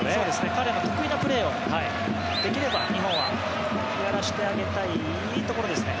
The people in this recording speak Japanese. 彼の得意なプレーをできれば日本はやらせてあげたいところですね。